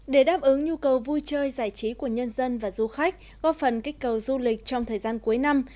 để đáp ứng nhu cầu vui chơi giải trí của nhân dân và du khách góp phần kích cầu du lịch trong thời gian cuối năm